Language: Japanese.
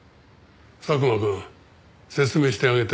佐久間くん説明してあげて。